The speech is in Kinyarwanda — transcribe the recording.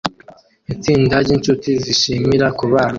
Itsinda ryinshuti zishimira kubana